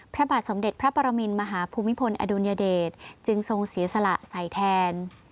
พระบาทสมเด็จพระปรมินมหาภูมิพลอดุลยเดชจึงทรงเสียสละใส่แทน